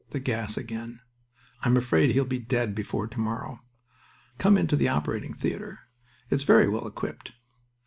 The gas again. I'm afraid he'll be dead before to morrow. Come into the operating theater. It's very well equipped."